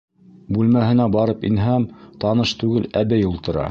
Бүлмәһенә барып инһәм, таныш түгел әбей ултыра.